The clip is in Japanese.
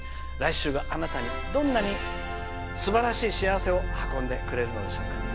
来週は、あなたにどんなにすばらしい幸せを運んでくれるのでしょうか。